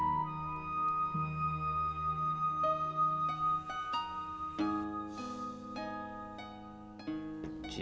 emang enak banget ya